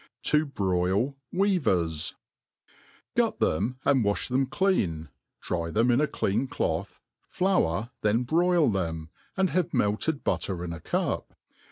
7i hrnl Weavtrs. GUT them, and wafh them clean, dry them in a clean cloth'^ flour, then broil them, and have melted butter til a cup.